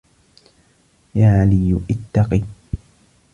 يَا عَلِيُّ اتَّقِ